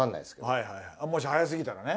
はいはいもし早すぎたらね。